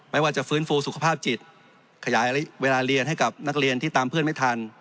ไม่ว่าจะฟื้นฟูสุขภาพจิตขยายเวลาเรียนให้กับนักเรียนที่ตามเพื่อนไม่ทัน